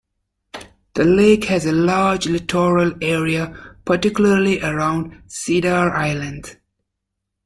The lake has a large littoral area, particularly around Cedar Island.